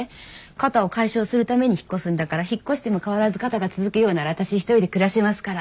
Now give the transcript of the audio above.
過多を解消するために引っ越すんだから引っ越しても変わらず過多が続くようなら私一人で暮らしますから。